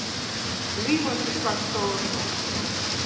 Лӱмын шӱшкаш толынна.